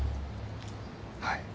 はい。